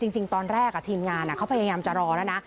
จริงตอนแรกทีมงานเขาพยายามจะรอแล้วนะ